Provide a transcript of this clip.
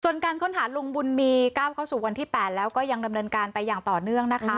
ส่วนการค้นหาลุงบุญมีก้าวเข้าสู่วันที่๘แล้วก็ยังดำเนินการไปอย่างต่อเนื่องนะคะ